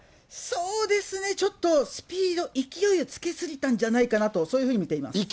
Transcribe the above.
そうですね、ちょっとスピード、勢いをつけすぎたんじゃないかなと、そういうふうに見ています。